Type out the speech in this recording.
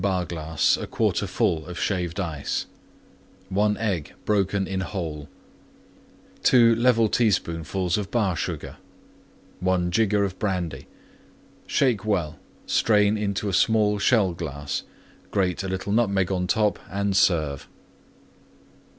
Bar glass 1/4 full Shaved Ice. 1 Egg broken in whole. 2 level teaspoonfuls Bar Sugar. 1 jigger Brandy. Shake well; strain into small Shell glass; grate a little Nutmeg on top and serve.